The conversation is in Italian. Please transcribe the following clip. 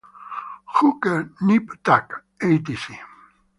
Hooker", "Nip Tuck", ecc.